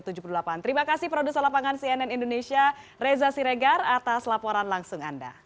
terima kasih produser lapangan cnn indonesia reza siregar atas laporan langsung anda